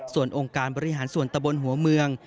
ส่วนองค์การบริหารส่วนตะบนหัวเมือง